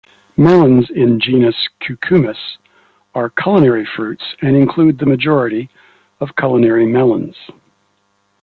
Melons in genus "Cucumis" are culinary fruits, and include the majority of culinary melons.